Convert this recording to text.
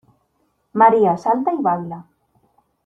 María salta y baila.